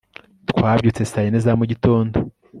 twabyutse saa yine za mugitondo